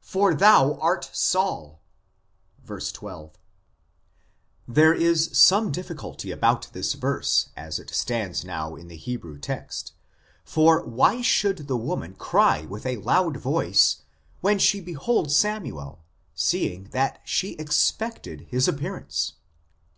For thou art Saul " (verse 12) ; there is some difficulty about this verse as it stands now in the Hebrew text, for why should the woman cry with a loud voice when she beholds Samuel, seeing that she expected his appearance